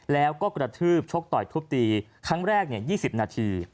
แล้วก็กระทืบชกต่อยทุบตีครั้งแรก๒๐นาที